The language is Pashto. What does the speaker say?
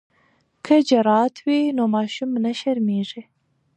که جرات وي نو ماشوم نه شرمیږي.